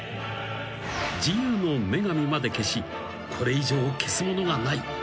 ［自由の女神まで消しこれ以上消すものがない］